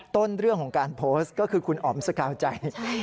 ต้นเรื่องของการโพสต์ก็คือคุณอ๋อมสกาวใจ